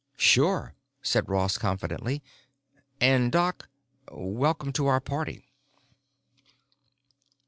"Sure," said Ross confidently. "And Doc—welcome to our party."